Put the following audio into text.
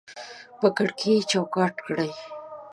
په کړکۍ کې یې چوکاټ کړي